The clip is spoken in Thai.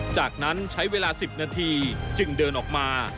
จากนั้นใช้เวลา๑๐นาทีจึงเดินออกมา